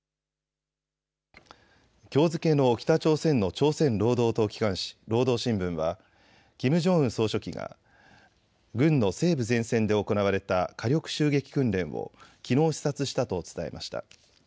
きょう付けの北朝鮮の朝鮮労働党機関紙、労働新聞はキム・ジョンウン総書記が軍の西部前線で行われた火力襲撃訓練をきのう視察したと伝えました。